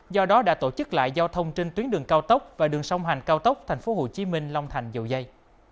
do đó đã tổ chức lại giao thông trên tuyến đường cao tốc và đường sông hành cao tốc tp hcm long thành dầu dây